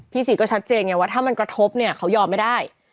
ศรีก็ชัดเจนไงว่าถ้ามันกระทบเนี่ยเขายอมไม่ได้